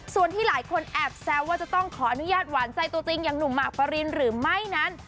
ส่วนที่หลายคนแอบแซวว่าจะต้องขออนุญาตหวานใจตัวจริงอย่างหนุ่มหมากปรินหรือไม่นั้น